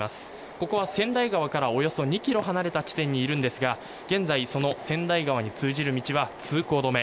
ここは川内川からおよそ２ｋｍ離れた地点にいるんですが現在、その川内川に通じる道は通行止め。